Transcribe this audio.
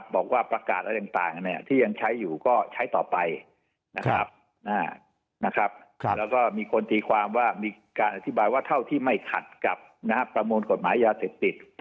บอกว่าประกาศอะไรต่างที่ยังใช้อยู่ก็ใช้ต่อไปนะครับแล้วก็มีคนตีความว่ามีการอธิบายว่าเท่าที่ไม่ขัดกับประมวลกฎหมายยาเสพติด